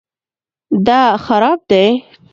دا خراب دی